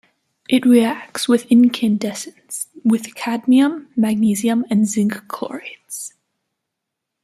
It reacts with incandescence with cadmium, magnesium and zinc chlorates.